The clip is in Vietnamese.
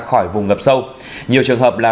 khỏi vùng ngập sâu nhiều trường hợp là